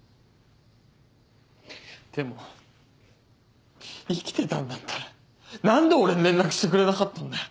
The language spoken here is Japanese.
でも生きてたんだったら何で俺に連絡してくれなかったんだよ？